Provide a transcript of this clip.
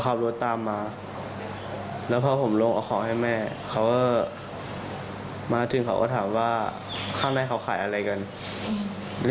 ขับรถตามมาแล้วพอผมลงเอาของให้แม่เขาก็มาถึงเขาก็ถามว่าข้างในเขาขายอะไรกัน